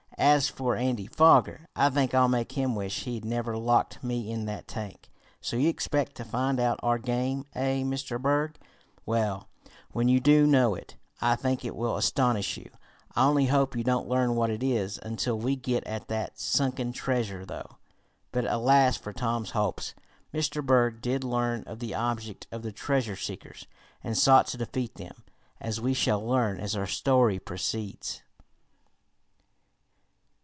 As for Andy Foger, I think I'll make him wish he'd never locked me in that tank. So you expect to find out our 'game,' eh, Mr. Berg? Well, when you do know it, I think it will astonish you. I only hope you don't learn what it is until we get at that sunken treasure, though." But alas for Tom's hopes. Mr. Berg did learn of the object of the treasure seekers, and sought to defeat them, as we shall learn as our story proceeds.